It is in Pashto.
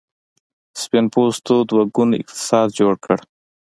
سپین پوستو دوه ګونی اقتصاد جوړ کړ.